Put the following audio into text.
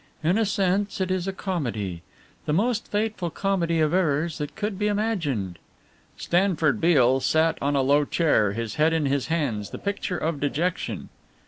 In a sense it is a comedy. The most fatal comedy of errors that could be imagined." Stanford Beale sat on a low chair, his head in his hands, the picture of dejection.